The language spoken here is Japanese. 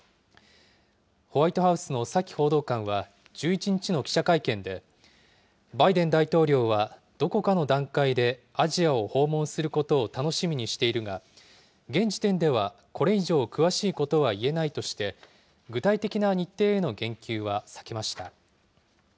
ホワイトハウスのサキ報道官は１１日の記者会見で、バイデン大統領はどこかの段階でアジアを訪問することを楽しみにしているが、現時点ではこれ以上詳しいことは言えないとして、具体的な日程への言及は避けました。